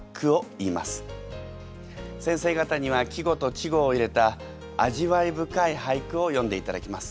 先生方には季語と稚語を入れた味わい深い俳句を詠んでいただきます。